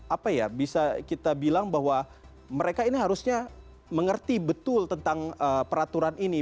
apa ya bisa kita bilang bahwa mereka ini harusnya mengerti betul tentang peraturan ini